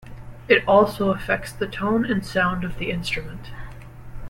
It also affects the tone and sound of the instrument.